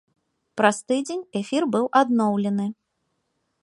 Праз тыдзень эфір быў адноўлены.